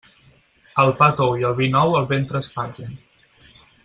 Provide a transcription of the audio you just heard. El pa tou i el vi nou el ventre espatllen.